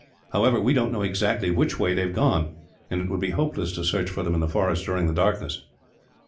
However, we don't know exactly which way they have gone; and it would be hopeless to search for them in the forest, during the darkness.